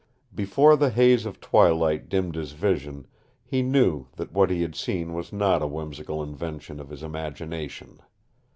Before the haze of twilight dimmed his vision, he knew that what he had seen was not a whimsical invention of his imagination.